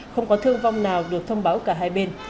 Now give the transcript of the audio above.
không có thương vong nào được thông báo cả hai bên